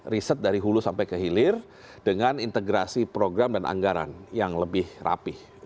riset dari hulu sampai ke hilir dengan integrasi program dan anggaran yang lebih rapih